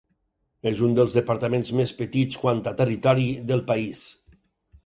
És uns dels departaments més petits quant a territori del país.